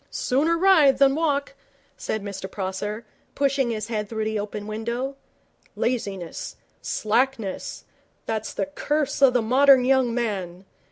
'Sooner ride than walk,' said Mr Prosser, pushing his head through the open window. 'Laziness slackness that's the curse of the modern young man.